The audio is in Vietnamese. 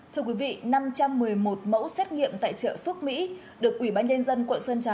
thưa quý vị năm trăm một mươi một mẫu xét nghiệm tại chợ phước mỹ được ủy ban nhân dân quận sơn trà